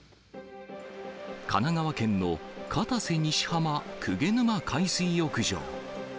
神奈川県の片瀬西浜・鵠沼海水浴場。